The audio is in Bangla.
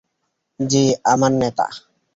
জ্বি, আমার নেতা!